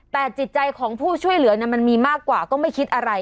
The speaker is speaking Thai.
แต่จิตใจของผู้ช่วยเหลือมันมีมากกว่าก็ไม่คิดอะไร